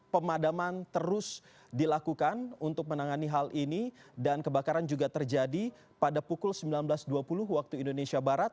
pemadaman terus dilakukan untuk menangani hal ini dan kebakaran juga terjadi pada pukul sembilan belas dua puluh waktu indonesia barat